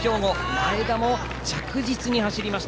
前田も着実に走りました。